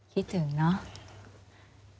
คิดถึงเนาะ